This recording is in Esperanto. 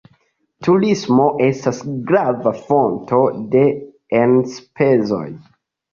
Turismo estas grava fonto de enspezoj.